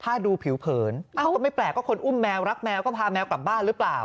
ถ้าดูผิวเผินก็ไม่แปลกก็คนอุ้มแมวรักแมวก็พาแมวกลับบ้านหรือเปล่า